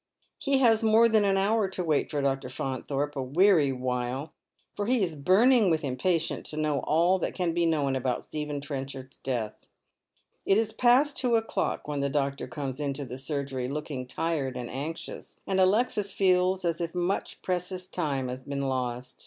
He has more than an hour to wait for Dr. Faunthorpe, a weary while, for he is burning with impatience to know all than can be known about Stephen Trenchard's death. It is past two o'clock when the doctor comes into the surgery looking tired and anxious, and Alexis feels as if much precious time had been lost.